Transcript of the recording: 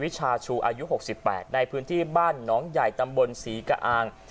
ชาชูอายุ๖๘ในพื้นที่บ้านน้องใหญ่ตำบลศรีกะอาง